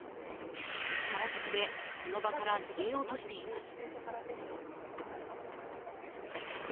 力ずくで、この場から逃げようとしています。